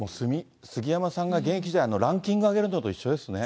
杉山さんが現役時代のランキング上げるのと一緒ですね。